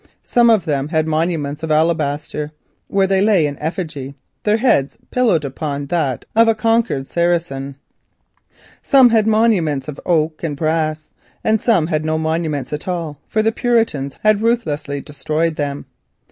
Some of them had monuments of alabaster, whereon they lay in effigy, their heads pillowed upon that of a conquered Saracen; some had monuments of oak and brass, and some had no monuments at all, for the Puritans had ruthlessly destroyed them.